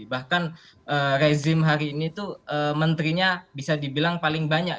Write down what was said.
bahkan rezim hari ini tuh menterinya bisa dibilang paling banyak